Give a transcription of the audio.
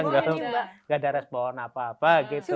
nggak ada respon apa apa gitu